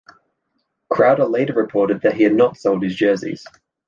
Crowder later reported that he had not sold his jerseys.